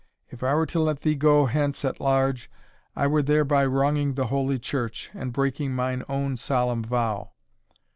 If I were to let thee go hence at large, I were thereby wronging the Holy Church, and breaking mine own solemn vow.